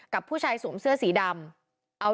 กับผู้ชายสวมเสื้อสีดำ